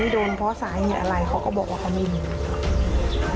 โดนเพราะสาเหตุอะไรเขาก็บอกว่าเขาไม่รู้